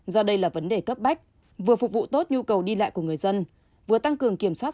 do đây là vấn đề cấp bách vừa phục vụ tốt nhu cầu đi lại của người dân vừa tăng cường kiểm soát